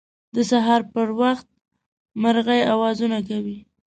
د سهار په وخت مرغۍ اوازونه کوی